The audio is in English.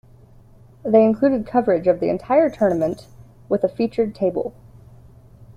They included coverage of the entire tournament, with a "Featured Table".